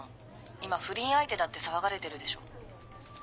今不倫相手だって騒がれてるでしょ。